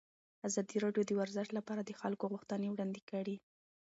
ازادي راډیو د ورزش لپاره د خلکو غوښتنې وړاندې کړي.